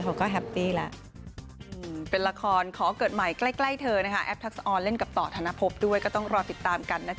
เขาก็แฮปปี้ละ